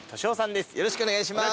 よろしくお願いします。